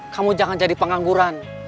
kamu jangan jadi pengangguran